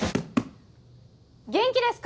元気ですか！